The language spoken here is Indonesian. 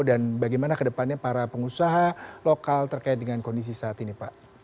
dan bagaimana kedepannya para pengusaha lokal terkait dengan kondisi saat ini pak